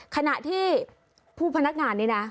ขณะที่ผู้พนักงานนี้นะ